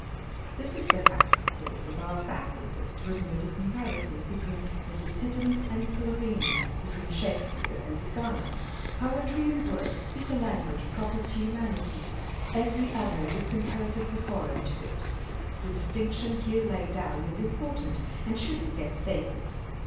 This is perhaps the cause of our backwardness to admit a comparison between Mrs. Siddons and Palarini, between Shakespeare and Vigano. Poetry and words speak a Scott, Racine, and Shakespeare. 475 language proper to humanity ; every other is compara tively foreign to it. The distinction here laid down is important, and should be kept sacred.